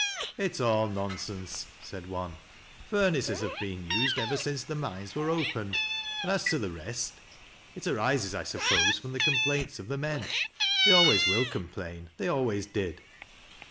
" It's all nonsense," said one. " Furnaces have been need ever since the mines 'were opened, and as to the rest —it arises, I suppose, from the complaints of the men. They always will complain — ^tliey always did."